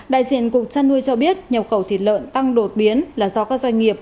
đại diện cục trăn nuôi cho biết nhập khẩu thịt lợn tăng đột biến là do các doanh nghiệp